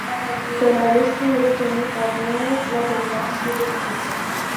C'est la leçon retenue par nos cladogrammes ci-dessus.